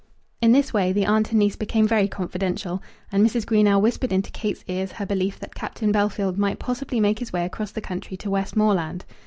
In this way the aunt and niece became very confidential, and Mrs. Greenow whispered into Kate's ears her belief that Captain Bellfield might possibly make his way across the country to Westmoreland.